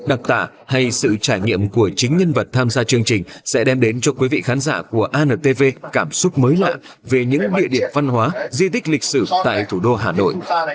đặc tả hay sự trải nghiệm của chính nhân vật tham gia chương trình sẽ đem đến cho quý vị khán giả của antv cảm xúc mới lạ về những địa điểm văn hóa di tích lịch sử tại thủ đô hà nội